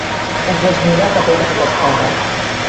Un gos neda cap a una cascada.